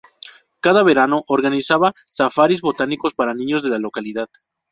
Cada verano organizaba safaris botánicos para niños de la localidad.